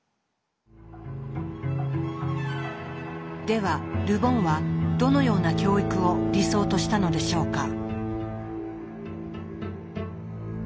ではル・ボンはどのような教育を理想としたのでしょうか？